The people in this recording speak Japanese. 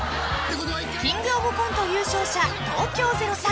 ［キングオブコント優勝者東京０３］